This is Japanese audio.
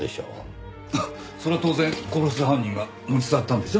そりゃ当然殺した犯人が持ち去ったんでしょ。